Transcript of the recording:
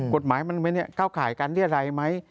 กฎหมายมันเข้าข่ายการเรียรายไหม